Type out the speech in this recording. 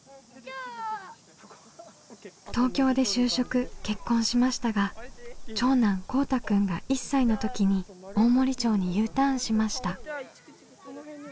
東京で就職結婚しましたが長男こうたくんが１歳の時に大森町にＵターンしました。